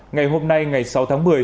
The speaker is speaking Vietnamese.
ngày hôm nay ngày sáu tháng một mươi